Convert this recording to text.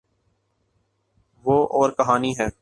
وہ اورکہانی ہے۔